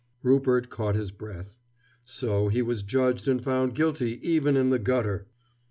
Rupert caught his breath. So he was judged and found guilty even in the gutter!